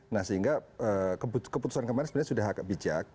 nah sehingga keputusan kemarin sebenarnya sudah agak bijak